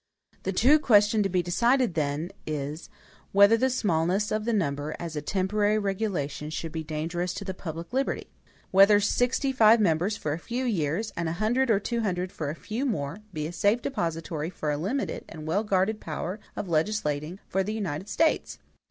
The true question to be decided then is, whether the smallness of the number, as a temporary regulation, be dangerous to the public liberty? Whether sixty five members for a few years, and a hundred or two hundred for a few more, be a safe depositary for a limited and well guarded power of legislating for the United States?